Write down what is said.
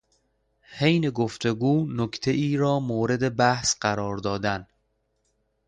حین گفتگو نکتهای را مورد بحث قرار دادن